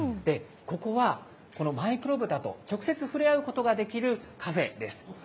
ここは、このマイクロブタと直接触れ合うことができるカフェです。